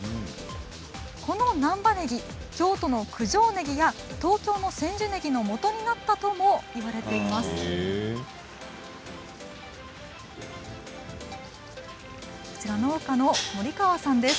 この難波ねぎ、京都の九条ねぎや東京の千住ねぎのもとになったとも、いわれています。